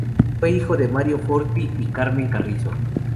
Fue hijo de Mario Forti y Carmen Carrizo.